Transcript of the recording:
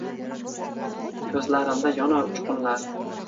Ko’zlarimda yonar uchqunlar